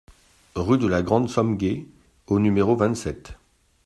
Rue de la Grande Somgué au numéro vingt-sept